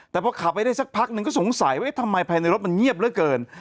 แต่พอขับไปได้สักพักหนึ่งก็สงสัยว่าทำไมภายในรถมันเงียบเหลือเกิน